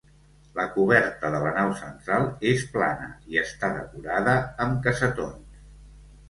La coberta de la nau central és plana i està decorada amb cassetons.